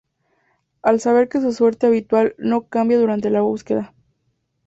Al saber que su suerte habitual no cambia durante la búsqueda.